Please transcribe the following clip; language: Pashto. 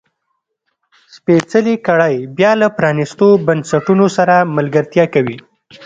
سپېڅلې کړۍ بیا له پرانیستو بنسټونو سره ملګرتیا کوي.